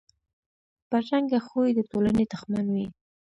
بدرنګه خوی د ټولنې دښمن وي